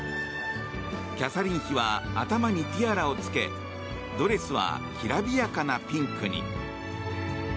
キャサリン妃は頭にティアラをつけドレスはきらびやかなピンクに。